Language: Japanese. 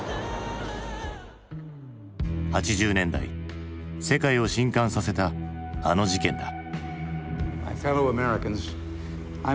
８０年代世界を震かんさせたあの事件だ。